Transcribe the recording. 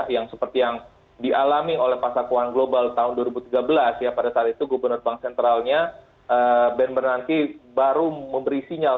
yang seperti yang dialami oleh pasar keuangan global tahun dua ribu tiga belas ya pada saat itu gubernur bank sentralnya ben bernanki baru memberi sinyal